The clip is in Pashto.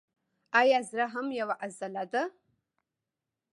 ایا زړه هم یوه عضله ده